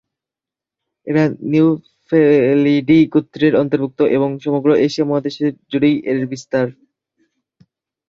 এরা ‘নিমফ্যালিডি’ গোত্রের অন্তর্ভুক্ত এবং সমগ্র এশিয়া মহাদেশ জুড়েই এর বিস্তার।